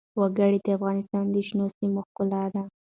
وګړي د افغانستان د شنو سیمو ښکلا ده.